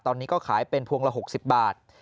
ตอนนี้ก็ขายเป็นพวงละ๖๐บาท